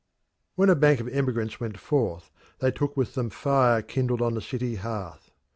When a bank of emigrants went forth they took with them fire kindled on the city hearth.